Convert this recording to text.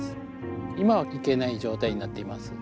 今は行けない状態になっています。